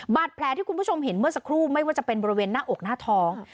บาดแผลที่คุณผู้ชมเห็นเมื่อสักครู่ไม่ว่าจะเป็นบริเวณหน้าอกหน้าท้อง